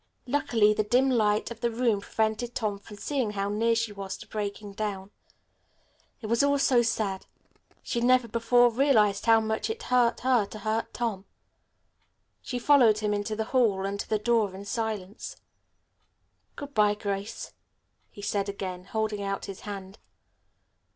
Luckily the dim light of the room prevented Tom from seeing how near she was to breaking down. It was all so sad. She had never before realized how much it hurt her to hurt Tom. She followed him into the hall and to the door in silence. "Good bye, Grace," he said again, holding out his hand.